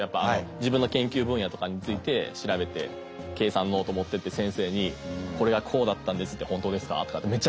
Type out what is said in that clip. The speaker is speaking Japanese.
自分の研究分野とかについて調べて計算ノート持ってて先生に「これはこうだったんです」って「本当ですか？」とかってめっちゃ。